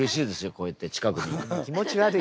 こうやって近くにいるの。